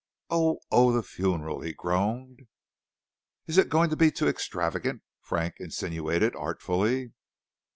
"Oh! oh! the funeral!" he groaned. "Is it going to be too extravagant?" Frank insinuated artfully.